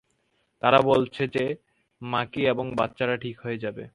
তারা বলেছে যে মাকি এবং বাচ্চারা ঠিক হয়ে যাবে।